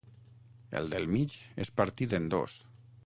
El del mig és partit en dos.